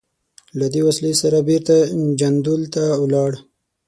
له دې وسلې سره بېرته جندول ته ولاړ.